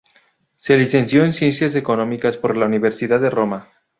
Se licenció en Ciencias Económicas por la Universidad de Roma.